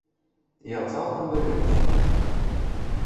Я цалкам даверыўся яму.